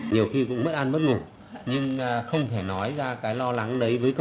nhiều khi cũng mất ăn mất ngủ nhưng không thể nói ra cái lo lắng